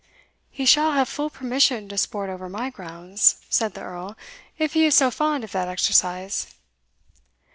"He shall have full permission to sport over my grounds," said the Earl, "if he is so fond of that exercise."